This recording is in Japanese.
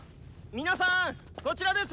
皆さんこちらです！